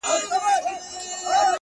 په څو ځلي مي ستا د مخ غبار مات کړی دی ـ